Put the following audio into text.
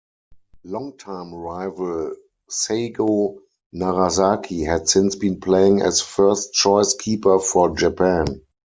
Long-time rival Seigo Narazaki had since been playing as first-choice keeper for Japan.